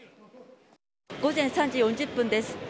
午前３時４０分です。